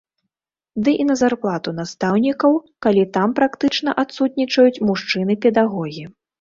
Ды і на зарплату настаўнікаў, калі там практычна адсутнічаюць мужчыны-педагогі.